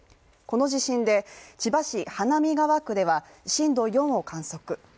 この地震で千葉市花見川区では震度４を観測。